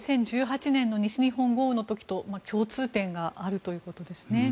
２０１８年の西日本豪雨の時と共通点があるということです。